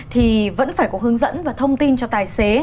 thì vẫn phải có hướng dẫn và thông tin cho tài xế